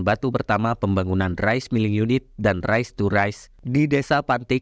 batu pertama pembangunan rice milling unit dan rice to rice di desa pantik